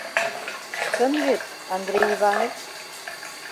Чын вет, Андрей Иваныч?